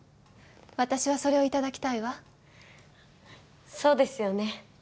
私はそれをいただきたいわそうですよね